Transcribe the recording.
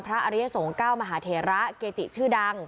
พระอาริยสงกะวมหาเทระเกจิชื่อดัง